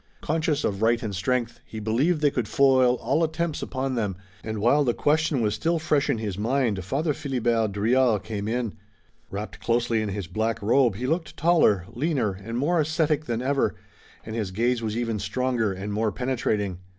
Conscious of right and strength he believed they could foil all attempts upon them, and while the question was still fresh in his mind Father Philibert Drouillard came in. Wrapped closely in his black robe he looked taller, leaner, and more ascetic than ever, and his gaze was even stronger and more penetrating.